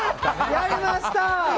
やりました。